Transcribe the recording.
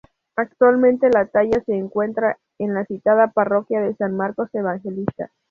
Actualmente la talla se encuentra en la citada Parroquia de San Marcos Evangelista.